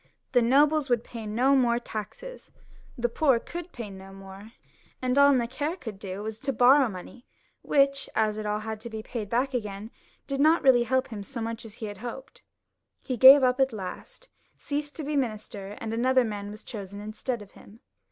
The nobles would pay no more taxes; the poor could pay no more; and all Necker could do was to borrow money, which, as it all had to be paid back again, did not reaUy help him so much as he had hoped. He gave it up at last, left off being minister, and another man was chosen instead of him.